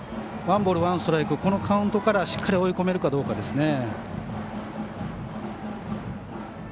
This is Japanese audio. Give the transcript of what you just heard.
ワンボール、ワンストライクこのカウントからしっかり追い込めるかどうかです。